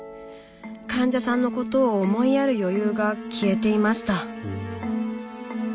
患者さんのことを思いやる余裕が消えていました。